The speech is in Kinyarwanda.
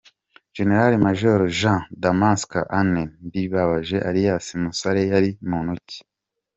Gen Maj Jean-Damascène Ndibabaje Alias Musare yari muntu ki ?